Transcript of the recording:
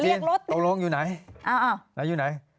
จริงตรงโรงอยู่ไหน